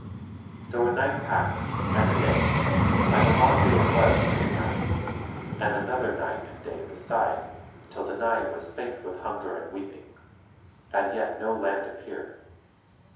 So a night passed, and a day, and a long day it was for Danae; and another night and day beside, till Danae was faint with hunger and weeping, and yet no land appeared.